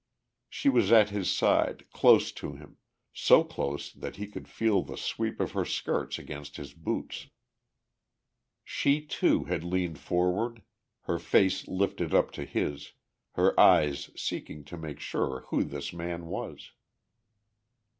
She was at his side, close to him, so close that he could feel the sweep of her skirts against his boots. She, too, had leaned forward, her face lifted up to his, her eyes seeking to make sure who this man was.